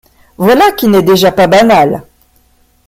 Voilà qui n’est déjà pas banal.